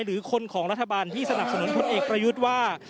หรือคนของรัฐบาลที่สนับสนุนพลเอกประยุทธ์ว่า